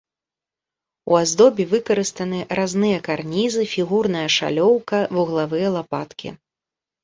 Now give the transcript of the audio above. У аздобе выкарыстаны разныя карнізы, фігурная шалёўка, вуглавыя лапаткі.